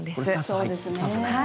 そうですね。